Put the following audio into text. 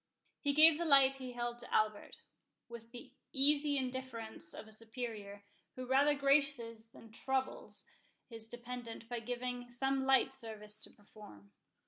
He gave the light he held to Albert, with the easy indifference of a superior, who rather graces than troubles his dependent by giving him some slight service to perform.